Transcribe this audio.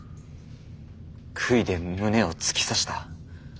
杭で胸を突き刺した。